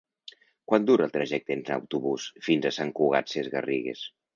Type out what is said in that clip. Quant dura el trajecte en autobús fins a Sant Cugat Sesgarrigues?